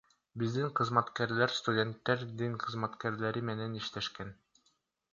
Биздин кызматкерлер студенттер, дин кызматкерлери менен иштешкен.